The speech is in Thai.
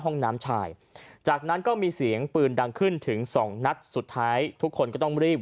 ห้องน้ำชายจากนั้นก็มีเสียงปืนดังขึ้นถึงสองนัดสุดท้ายทุกคนก็ต้องรีบ